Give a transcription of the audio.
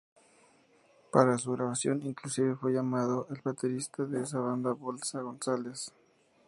Para su grabación, inclusive, fue llamado el baterista de esa banda: "Bolsa" González.